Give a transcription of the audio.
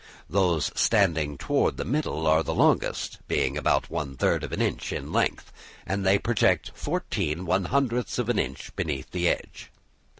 Those standing towards the middle are the longest, being about one third of an inch in length, and they project fourteen one hundredths of an inch beneath the edge.